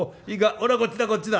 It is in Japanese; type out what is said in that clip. ほらこっちだこっちだ。